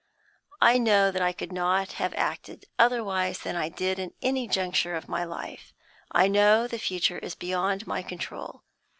I know that I could not have acted otherwise than I did in any juncture of my life; I know that the future is beyond my control.